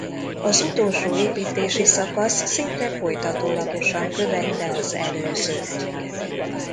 Az utolsó építési szakasz szinte folytatólagosan követte az előzőt.